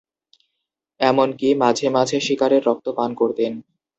এমনকি মাঝে মাঝে শিকারের রক্ত পান করতেন।